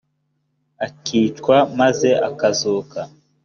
akicwa maze akazuka